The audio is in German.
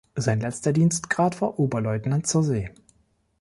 Sein letzter Dienstgrad war Oberleutnant zur See.